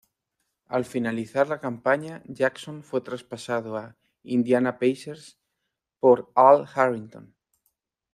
Al finalizar la campaña, Jackson fue traspasado a Indiana Pacers por Al Harrington.